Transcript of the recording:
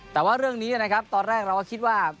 แต่ว่าเรื่องนี้นะครับตอนแรกเราก็คิดว่า